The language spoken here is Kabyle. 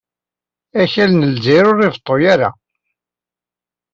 Akal n Lezzayer ur ibeḍḍu ara.